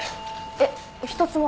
えっ一つも？